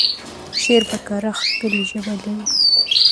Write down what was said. شعر په کره کېښکلې ژبه لري.